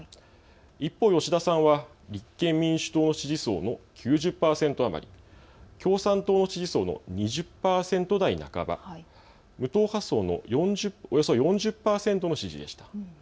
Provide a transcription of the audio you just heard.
一方、吉田さんは立憲民主党の支持層の９０％余り、共産党の支持層の２０％台半ば、無党派層のおよそ４０％の支持でした。